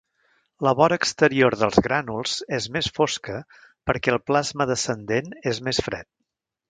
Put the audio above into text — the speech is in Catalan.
La vora exterior dels grànuls és mes fosca perquè el plasma descendent és més fred.